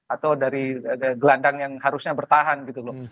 atau dari gelandang yang harusnya bertahan gitu loh